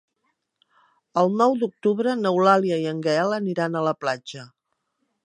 El nou d'octubre n'Eulàlia i en Gaël aniran a la platja.